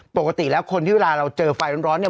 ปกติแล้วคนที่เวลาเราเจอไฟร้อนเนี่ย